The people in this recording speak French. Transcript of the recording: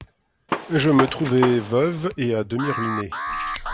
Je me trouvai veuve et à demi ruinée.